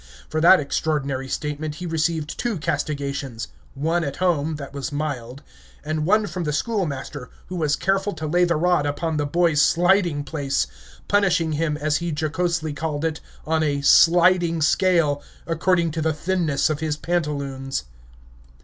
For that extraordinary statement he received two castigations, one at home, that was mild, and one from the schoolmaster, who was careful to lay the rod upon the boy's sliding place, punishing him, as he jocosely called it, on a sliding scale, according to the thinness of his pantaloons.